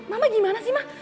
mama gimana sih ma